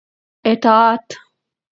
اطاعت